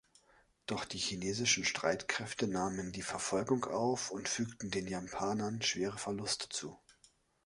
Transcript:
Doch die chinesischen Streitkräfte nahmen die Verfolgung auf und fügten den Japanern schwere Verluste zu.